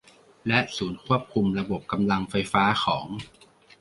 และศูนย์ควบคุมระบบกำลังไฟฟ้าของ